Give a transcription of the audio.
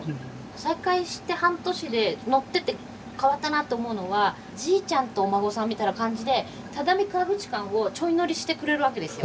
再開して半年で乗ってて変わったなって思うのはじいちゃんとお孫さんみたいな感じで只見川口間をちょい乗りしてくれるわけですよ。